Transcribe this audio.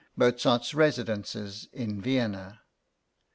Mozart's residences in Vienna.